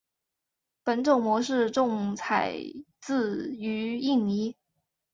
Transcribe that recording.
本种模式种采自于印尼。